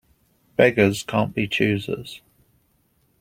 Beggars can't be choosers.